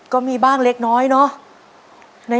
ก็มีบ้างเล็กน้อยเนาะ